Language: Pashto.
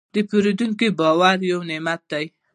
د پیرودونکي باور یو نعمت دی.